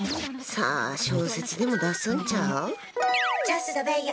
さあ、小説でも出すんちゃう？